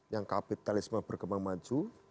yang kapitalisme berkembang maju